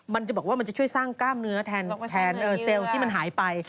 มันจะบอกว่ามันจะช่วยสร้างกล้ามเนื้อแทนเซลล์ที่มันหายไป